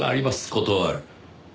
断る。